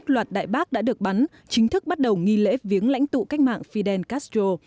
hai mươi một loạt đại bác đã được bắn chính thức bắt đầu nghi lễ viếng lãnh thủ cách mạng freedom castro